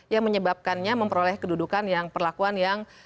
yang menyebabkannya memperoleh kedudukan yang perlakuan yang